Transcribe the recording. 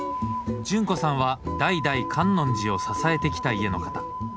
潤子さんは代々観音寺を支えてきた家の方。